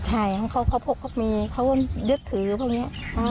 ใช่เขาพกเขามีเขาเลือดถือพวกเงี้ย